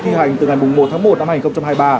thi hành từ ngày một tháng một năm hai nghìn hai mươi ba